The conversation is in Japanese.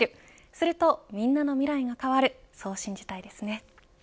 すると、みんなの未来が変わるそう信じたいですね。